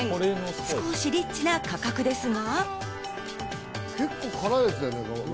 少しリッチな価格ですが。